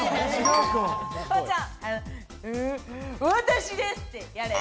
私ですってやれる。